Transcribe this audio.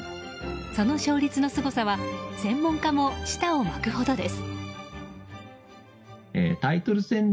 その勝率のすごさは専門家も舌を巻くほどです。